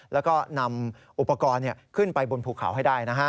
แล้วก็นำอุปกรณ์ขึ้นไปบนภูเขาให้ได้นะฮะ